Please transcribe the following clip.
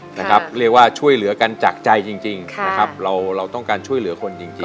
เรียกว่าช่วยเหลือกันจากใจจริงนะครับเราเราต้องการช่วยเหลือคนจริง